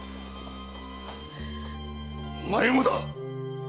お前もだ！